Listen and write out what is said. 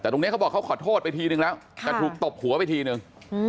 แต่ตรงนี้เขาบอกเขาขอโทษไปทีนึงแล้วแต่ถูกตบหัวไปทีนึง